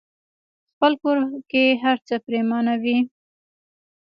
خپل کور کې هرڅه پريمانه وي.